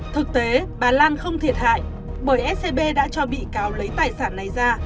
thực tế bà lan không thiệt hại bởi scb đã cho bị cáo lấy tài sản này ra